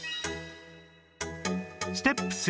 ステップ３